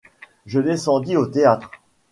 Je descendis au théâtre.